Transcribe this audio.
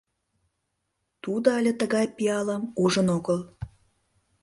— Тудо але тыгай пиалым ужын огыл.